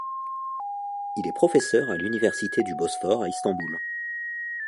Il est professeur à l'université du Bosphore à Istanbul.